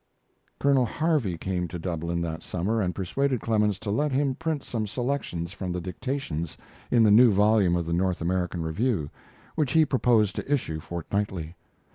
Colonel Harvey came to Dublin that summer and persuaded Clemens to let him print some selections from the dictations in the new volume of the North American Review, which he proposed to issue fortnightly.